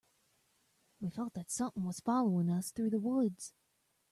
We felt that something was following us through the woods.